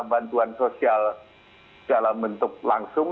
bantuan sosial dalam bentuk langsung